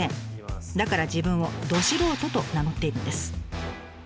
だから自分を「ど素人」と名乗っているんです。